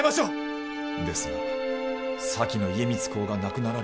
ですが先の家光公が亡くなられ。